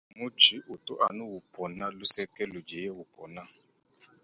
Mutshi utu anu upona kuluseke ludiye upona.